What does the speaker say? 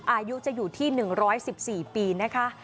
อายุจะอยู่ที่๑๑๔ปีนะคะ